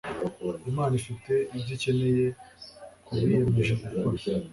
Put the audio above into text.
Imana ifite ibyo ikeneye ku biyemeje gukora